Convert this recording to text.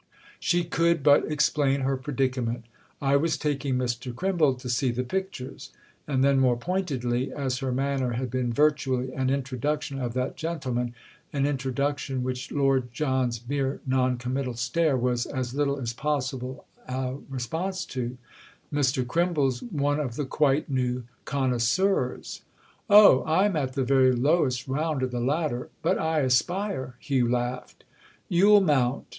She could but explain her predicament. "I was taking Mr. Crimble to see the pictures." And then more pointedly, as her manner had been virtually an introduction of that gentleman, an introduction which Lord John's mere noncommittal stare was as little as possible a response to: "Mr. Crimble's one of the quite new connoisseurs." "Oh, I'm at the very lowest round of the ladder. But I aspire!" Hugh laughed. "You'll mount!"